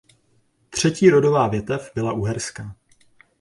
Třetí rodová větev byla uherská.